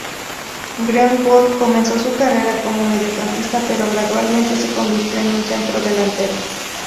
Greenwood comenzó su carrera como mediocampista pero gradualmente se convirtió en un centro delantero.